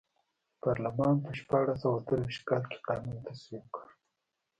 پارلمان په شپاړس سوه درویشت کال کې قانون تصویب کړ.